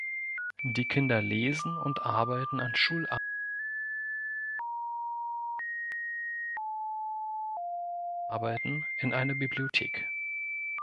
Die Kinder lesen und arbeiten an Schularbeiten in einer Bibliothek.